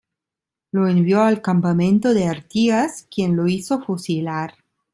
Lo envió al campamento de Artigas, quien lo hizo fusilar.